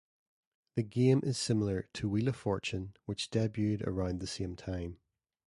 The game is similar to "Wheel of Fortune", which debuted around the same time.